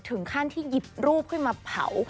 ถึงขั้นที่หยิบรูปขึ้นมาเผา